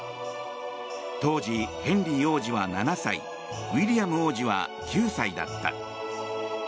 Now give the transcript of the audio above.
当時、ヘンリー王子は７歳ウィリアム王子は９歳だった。